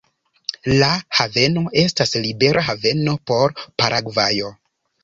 La haveno estas libera haveno por Paragvajo.